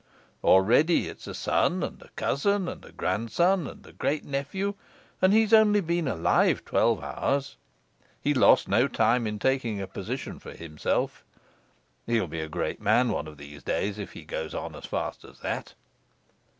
Already it's a son, and a cousin, and a grandson, and a great nephew, and he's only been alive twelve hours. He lost no time in taking a position for himself. He'll be a great man one of these days if he goes on as fast as that."